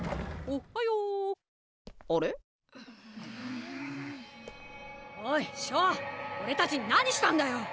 おれたちに何したんだよ！